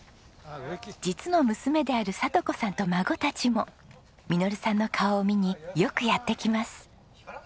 実の娘である聡子さんと孫たちも實さんの顔を見によくやって来ます。